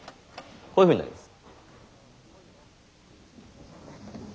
こういうふうになります。